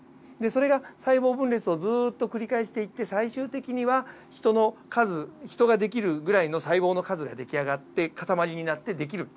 それが細胞分裂をずっと繰り返していって最終的にはヒトの数ヒトができるぐらいの細胞の数ができあがって塊になってできる。